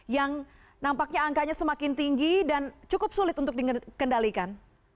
yang nampaknya angkanya semakin tinggi dan cukup sulit untuk dikendalikan